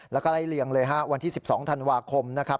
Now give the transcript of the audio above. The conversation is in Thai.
แล้วก็ไล่เลี่ยงเลยฮะวันที่๑๒ธันวาคมนะครับ